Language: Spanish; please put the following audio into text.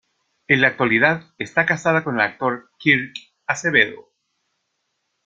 En la actualidad está casada con el actor Kirk Acevedo.